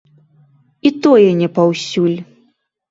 І тое не паўсюль.